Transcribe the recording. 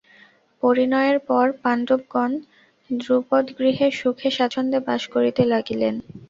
পরিণয়ের পর পাণ্ডবগণ দ্রুপদগৃহে সুখে-স্বাচ্ছন্দ্যে বাস করিতে লাগিলেন।